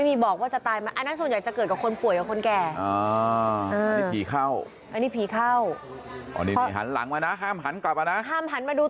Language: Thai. นั่นแหละสิใช่ไหม